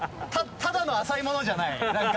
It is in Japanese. ただの浅いものじゃないなんか。